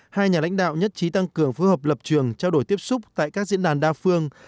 hai nhà lãnh đạo nhất trí tăng cường phối hợp lập trường trao đổi tiếp xúc tại các diễn đàn đa phương